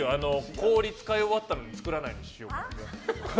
氷使い終わったのに作らないにしようか。